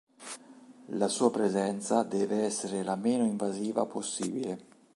La sua presenza deve essere la meno invasiva possibile